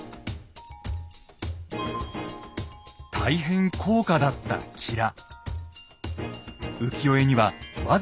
大変高価だったきら。